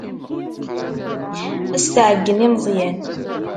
Ad as-tɛeyyen i Meẓyan.